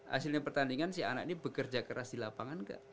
hasilnya pertandingan si anak ini bekerja keras di lapangan nggak